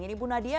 ini bu nadia